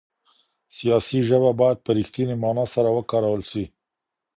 سياسي ژبه بايد په رښتني مانا سره وکارول سي.